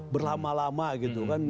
berlama lama gitu kan